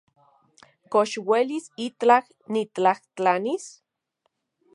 ¿Kox uelis itlaj niktlajtlanis?